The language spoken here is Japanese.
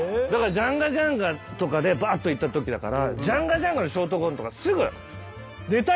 ジャンガジャンガとかでばっといったときだからジャンガジャンガのショートコントがすぐ。